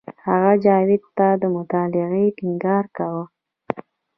هغه جاوید ته د مطالعې ټینګار کاوه